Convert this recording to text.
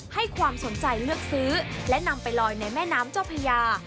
ให้ความสนใจเลือกซื้อและนำไปลอยในแม่น้ำเจ้าพญา